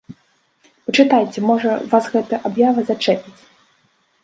Пачытайце, можа, вас гэтая аб'ява зачэпіць!